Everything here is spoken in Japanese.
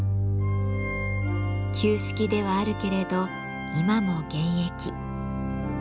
旧式ではあるけれど今も現役。